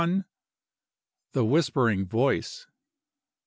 THE WHISPERING VOICE.